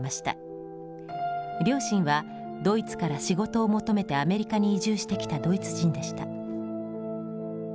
両親はドイツから仕事を求めてアメリカに移住してきたドイツ人でした。